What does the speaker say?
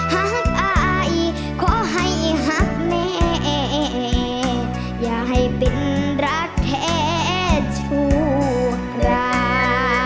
หากอายขอให้หักแม่อย่าให้เป็นรักแท้ชั่วรา